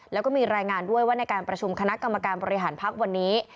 แล้วก็มีรายงานด้วยว่าในการประชุมคณะกรรมการบริหารพักวันนี้